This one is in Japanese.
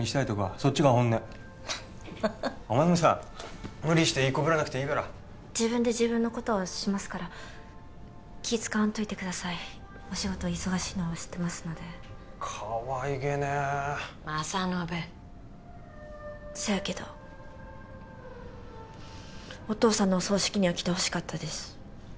そっちが本音お前もさ無理していい子ぶらなくていいから自分で自分のことはしますから気使わんといてくださいお仕事忙しいのは知ってますのでかわいげねえ政信そやけどお父さんのお葬式には来てほしかったです